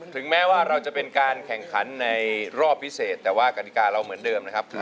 แม้ว่าเราจะเป็นการแข่งขันในรอบพิเศษแต่ว่ากฎิกาเราเหมือนเดิมนะครับ